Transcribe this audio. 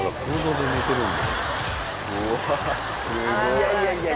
いやいやいや